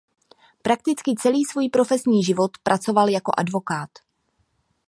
Prakticky celý svůj profesní život pracoval jako advokát.